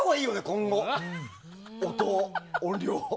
今後、音量。